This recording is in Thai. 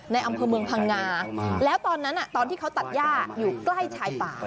อำเภอเมืองพังงาแล้วตอนนั้นตอนที่เขาตัดย่าอยู่ใกล้ชายป่า